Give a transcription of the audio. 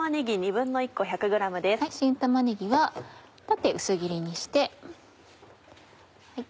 新玉ねぎは縦薄切りにして。